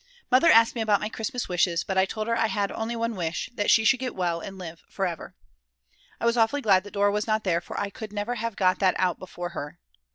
Mother asked me about my Christmas wishes; but I told her I had only one wish, that she should get well and live for ever. I was awfully glad that Dora was not there, for I could never have got that out before her.